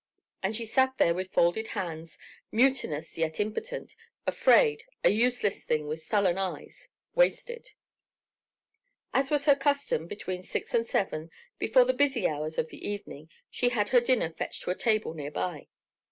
And she sat there with folded hands, mutinous yet impotent, afraid, a useless thing with sullen eyes ... wasted ... As was her custom, between six and seven, before the busy hours of the evening, she had her dinner fetched to a table near by.